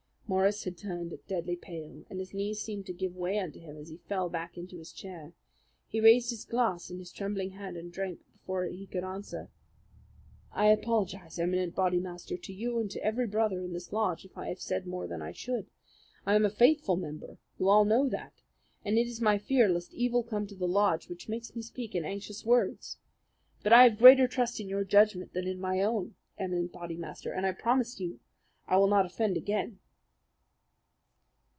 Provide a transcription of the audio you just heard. Morris had turned deadly pale, and his knees seemed to give way under him as he fell back into his chair. He raised his glass in his trembling hand and drank before he could answer. "I apologize, Eminent Bodymaster, to you and to every brother in this lodge if I have said more than I should. I am a faithful member you all know that and it is my fear lest evil come to the lodge which makes me speak in anxious words. But I have greater trust in your judgment than in my own, Eminent Bodymaster, and I promise you that I will not offend again."